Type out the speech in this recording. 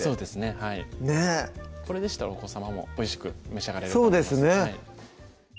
はいねっこれでしたらお子さまもおいしく召し上がれると思いますそうですね